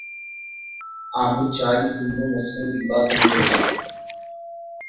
সীমিত ওভারের ক্রিকেটে ধারাবাহিক সাফল্যের পরপরই ধোনি টেস্ট দলে স্থান পান।